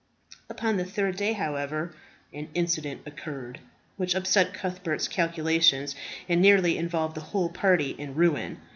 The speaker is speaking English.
Upon the third day, however, an incident occurred which upset Cuthbert's calculations, and nearly involved the whole party in ruin.